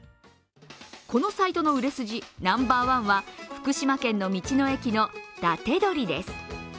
このサイトの売れ筋ナンバーワンは福島県の道の駅の伊達鶏です。